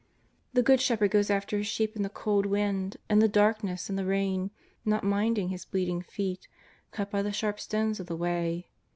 The good shepherd goes after his sheep in the cold wind and the darkness and the rain, not minding his bleeding feet, cut by the sharp stones of the way.